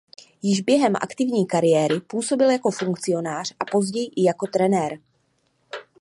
Již během aktivní kariéry působil jako funkcionář a později i jako trenér.